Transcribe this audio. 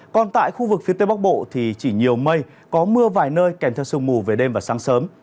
còn tại khu vực phía tây bắc bộ thì chỉ nhiều mây có mưa vài nơi kèm theo sương mù về đêm và sáng sớm